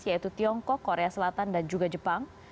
yaitu tiongkok korea selatan dan juga jepang